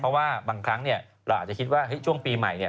เพราะว่าบางครั้งเนี่ยเราอาจจะคิดว่าช่วงปีใหม่เนี่ย